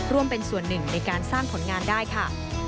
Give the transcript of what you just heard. ร่วมเป็นส่วนหนึ่งในการสร้างผลงานได้ค่ะ